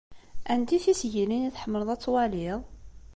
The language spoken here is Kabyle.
Anti tisgilin i tḥemmleḍ ad twaliḍ?